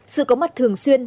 sự có mặt thường xuyên